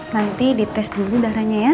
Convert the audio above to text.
nanti dites dulu darahnya ya